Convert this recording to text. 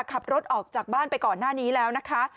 ขับรถออกจากบ้านไปก่อนหน้านี้แล้วนะคะ